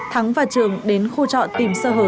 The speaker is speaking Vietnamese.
thắng và trường đến khu trọ tìm sơ hở